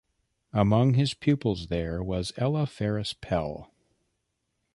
Among his pupils there was Ella Ferris Pell.